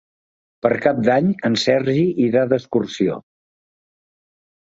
Per Cap d'Any en Sergi irà d'excursió.